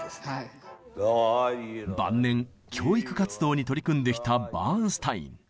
晩年教育活動に取り組んできたバーンスタイン。